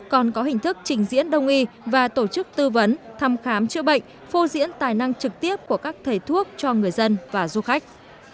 còn có hình thức trình diễn đông y và tổ chức tư vấn thăm khám chữa bệnh phô diễn tài năng trực tiếp của các thầy thuốc cho người dân và du khách